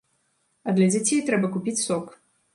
А для дзяцей трэба купіць сок.